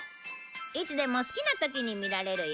いつでも好きな時に見られるよ。